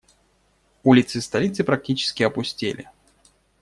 Улицы столицы практически опустели.